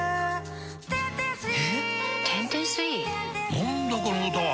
何だこの歌は！